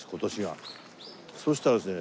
そしたらですね